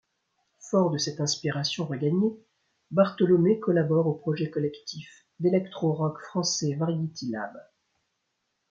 Fort de cette inspiration regagnée, Bartholomé collabore au projet collectif d'électro-rock français Variety Lab.